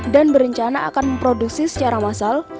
dan berencana akan memproduksi secara massal